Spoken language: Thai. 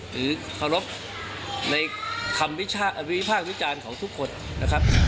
หรือเคารพในคำวิพากษ์วิจารณ์ของทุกคนนะครับ